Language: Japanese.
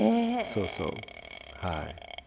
そうそうはい。